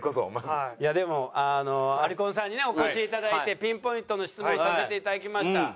いやでもアリコンさんにねお越しいただいてピンポイントの質問させていただきました。